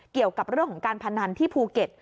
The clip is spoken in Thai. เกี่ยวกับเรื่องของการพนันที่ภูเก็ต